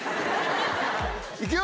いくよ